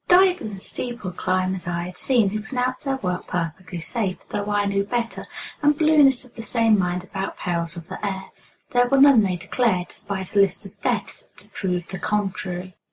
Divers and steeple climbers I had seen who pronounced their work perfectly safe (though I knew better), and balloonists of the same mind about perils of the air; there were none, they declared, despite a list of deaths to prove the contrary.